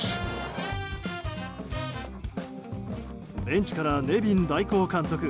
ベンチからネビン代行監督